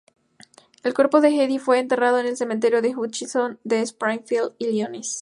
El cuerpo de Eddie fue enterrado en el cementerio de Hutchinson en Springfield, Illinois.